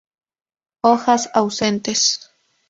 Hojas ausentes.